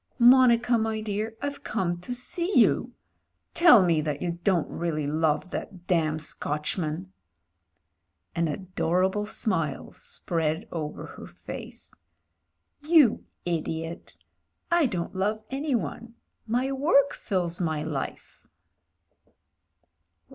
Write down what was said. "Monica, my dear, I've come to see you. Tell me that you don't really love that damn Scotchman." An adorable smile spread over her face. "You idiot ! I don't love anyone. My work fills my life."